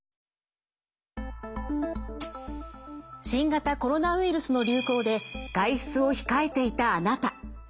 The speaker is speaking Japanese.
新型コロナウイルスの流行で外出を控えていたあなた。